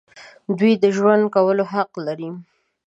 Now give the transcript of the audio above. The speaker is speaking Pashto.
دوی د ژوند کولو حق لري.